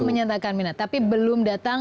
menyatakan minat tapi belum datang